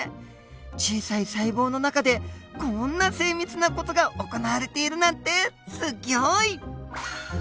小さい細胞の中でこんな精密な事が行われているなんてすギョい！